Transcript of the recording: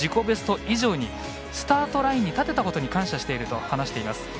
自己ベスト以上にスタートラインに立てたことに感謝していると話しています。